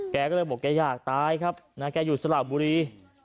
แกก็เลยบอกแกอยากตายครับนะแกอยู่สระบุรี